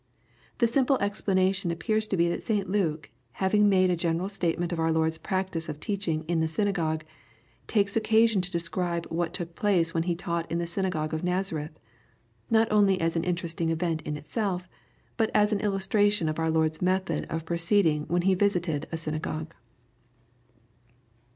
The simple explanation appears to be that St Luke, having made a general statement of our Lord*s practice of teaching '' in the syna gogues," takes occasion to describe what took place when he taught in the synagogue of Nazareth, — ^not only as an interesting event in itself, but as an illustration of our Lord's method of pro^ ceeding when He visited a synagogue.